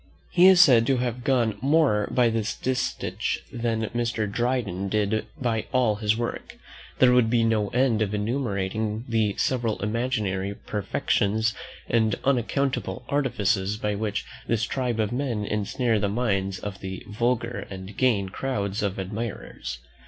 He is said to have got more by this distich than Mr. Dryden did by all his works. There would be no end of enumerating the several imaginary perfections and unaccountable artifices by which this tribe of men ensnare the minds of the vulgar and gain crowds of admirers.